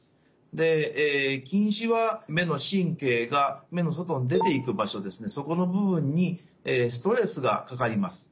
で近視は目の神経が目の外に出ていく場所ですねそこの部分にストレスがかかります。